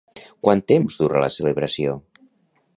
Quant temps dura la celebració?